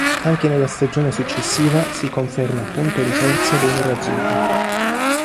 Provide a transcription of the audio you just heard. Anche nella stagione successiva si conferma punto di forza dei nerazzurri.